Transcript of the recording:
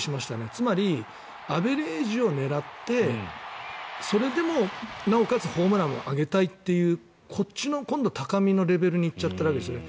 つまりアベレージを狙ってそれでも、なおかつホームランを挙げたいというこっちの高みのレベルに行っちゃってるわけですね。